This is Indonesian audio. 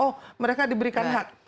oh mereka diberikan hak